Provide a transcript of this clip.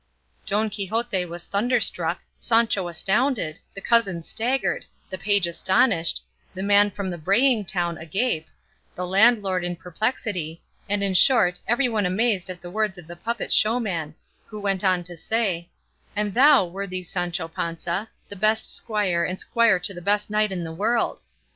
Don Quixote was thunderstruck, Sancho astounded, the cousin staggered, the page astonished, the man from the braying town agape, the landlord in perplexity, and, in short, everyone amazed at the words of the puppet showman, who went on to say, "And thou, worthy Sancho Panza, the best squire and squire to the best knight in the world!